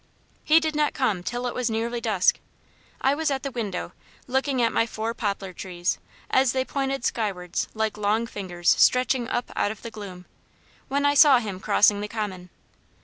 He did not come till it was nearly dusk. I was at the window, looking at my four poplar trees, as they pointed skywards like long fingers stretching up out of the gloom, when I saw him crossing the common.